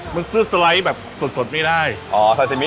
มันสือสไลด์แบบสดไม่ได้